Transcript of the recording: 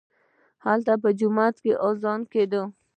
هلته په جومات کښې به اذان کېده.